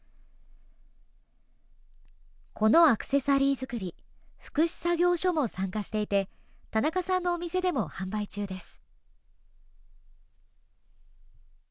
このアクセサリー作り福祉作業所も参加していて田中さんのお店でも販売中です。